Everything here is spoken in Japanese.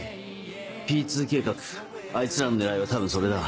Ｐ２計画あいつらの狙いは多分それだ。